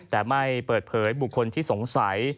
แต่ไม่เปิดเผยบุคคลที่สงสัย